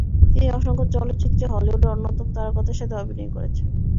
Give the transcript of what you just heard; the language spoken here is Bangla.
তিনি অসংখ্য চলচ্চিত্রে হলিউডের অন্যতম তারকাদের সাথে অভিনয় করেছেন।